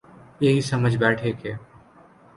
یہی سمجھ بیٹھے کہ